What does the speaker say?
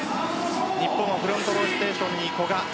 日本はフロントローテーションに古賀。